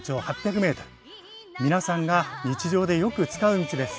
皆さんが日常でよく使う道です。